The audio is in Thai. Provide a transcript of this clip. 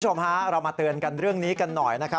พี่ผู้ชมฮาเรามาเตือนกันเรื่องนี้กันหน่อยนะครับ